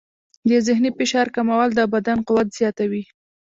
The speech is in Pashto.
د ذهني فشار کمول د بدن قوت زیاتوي.